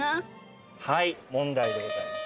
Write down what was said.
問題でございます。